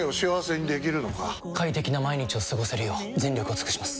快適な毎日を過ごせるよう全力を尽くします！